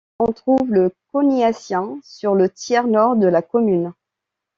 On trouve le Coniacien sur le tiers nord de la commune.